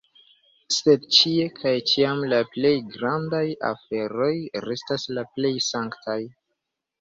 Sed ĉie kaj ĉiam la plej grandaj oferoj restas la plej sanktaj.